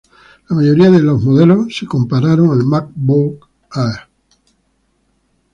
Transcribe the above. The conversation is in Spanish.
La mayoría de modelos se compararon al MacBook Air.